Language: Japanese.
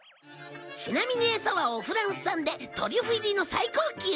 ちなみにエサはおフランス産でトリュフ入りの最高級。